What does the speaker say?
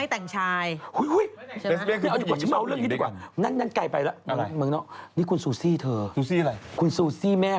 ดูมา๒เดือนที่แล้วแล้วค่ะ